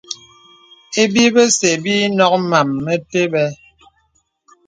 Ibi bəsə̀ bə ǐ nɔk màm mətè bə̀.